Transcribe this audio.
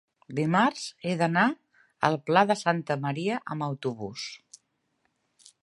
dimarts he d'anar al Pla de Santa Maria amb autobús.